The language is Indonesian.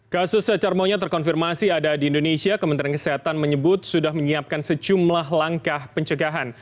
kasus cacar monyet terkonfirmasi ada di indonesia kementerian kesehatan menyebut sudah menyiapkan sejumlah langkah pencegahan